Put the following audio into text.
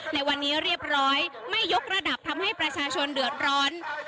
ในวันนี้เรียบร้อยไม่ยกระดับทำให้ประชาชนเดือดร้อน